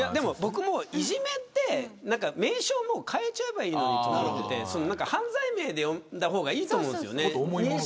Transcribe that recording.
いじめって名称も変えちゃえばいいと思っていて犯罪名で呼んだ方がいいと思うんです。